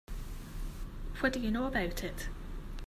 What do you know about it?